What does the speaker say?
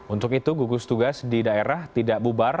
untuk itu gugus tugas di daerah tidak bubar